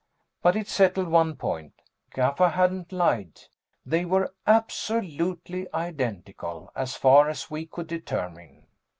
But it settled one point. Gaffa hadn't lied. They were absolutely identical, as far as we could determine.